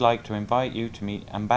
tuyệt vời nhất cho việt nam